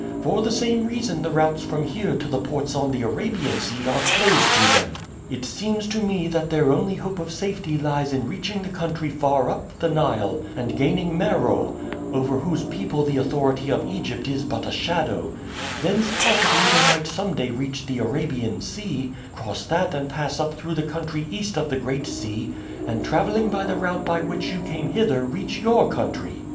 For the same reason the routes from here to the ports on the Arabian Sea are closed to them. It seems to me that their only hope of safety lies in reaching the country far up the Nile and gaining Meroe, over whose people the authority of Egypt is but a shadow; thence possibly they might some day reach the Arabian Sea, cross that and pass up through the country east of the Great Sea, and traveling by the route by which you came hither reach your country.